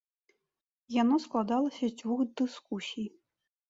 Яно складалася з дзвюх дыскусій.